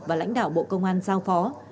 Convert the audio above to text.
và lãnh đạo bộ công an giao phó